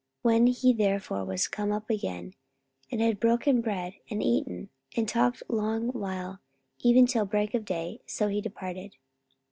44:020:011 When he therefore was come up again, and had broken bread, and eaten, and talked a long while, even till break of day, so he departed.